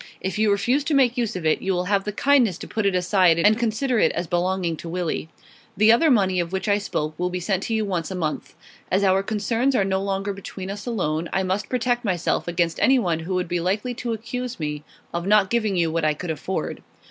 If you refuse to make use of it, you will have the kindness to put it aside and consider it as belonging to Willie. The other money of which I spoke will be sent to you once a month. As our concerns are no longer between us alone, I must protect myself against anyone who would be likely to accuse me of not giving you what I could afford.